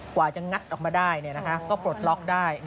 กว่าจะงัดออกมาได้ก็ปลดล็อกได้